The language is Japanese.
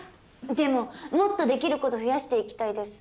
でももっとできること増やしていきたいです。